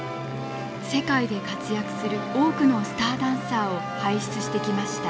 世界で活躍する多くのスターダンサーを輩出してきました。